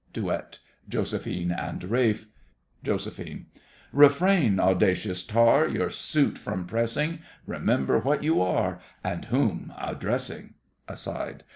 DUET—JOSEPHINE and RALPH JOS. Refrain, audacious tar, Your suit from pressing, Remember what you are, And whom addressing! (Aside.)